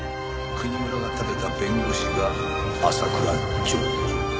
国村が立てた弁護士が浅倉譲だ。